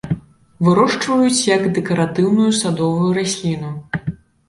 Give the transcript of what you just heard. Вырошчваюць як дэкаратыўную садовую расліну.